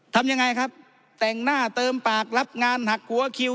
ทำยังไงครับแต่งหน้าเติมปากรับงานหักหัวคิว